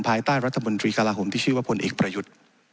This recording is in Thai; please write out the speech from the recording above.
ภายใต้รัฐมนตรีกระลาฮมที่ชื่อว่าพลเอกประยุทธ์